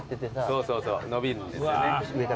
そうそうそう伸びるんですね。